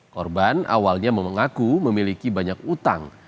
korban awalnya mengaku memiliki banyak utang